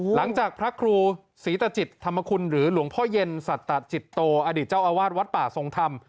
พระครูศรีตจิตธรรมคุณหรือหลวงพ่อเย็นสัตจิตโตอดีตเจ้าอาวาสวัดป่าทรงธรรม